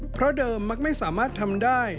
เพราะเดิมมักไม่สามารถทำได้